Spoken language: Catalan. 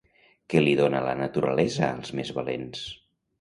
Què li dona la naturalesa als més valents?